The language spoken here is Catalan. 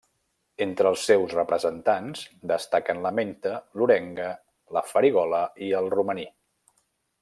Entre els seus representants destaquen la menta, l'orenga, la farigola i el romaní.